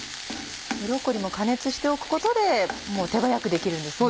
ブロッコリーも加熱しておくことで手早くできるんですね。